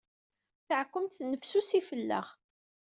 Taɛkemt tennesfsusi fell-aɣ.